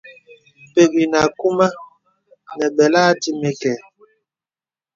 Pə̀k enə akūmà nə bəlà dimi kɛ.